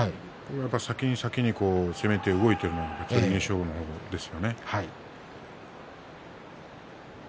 先に先に攻めて動いているのが剣翔ですね。